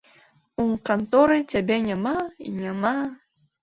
У канторы цябе няма і няма.